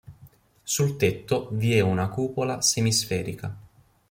Sul tetto vi è una cupola semisferica.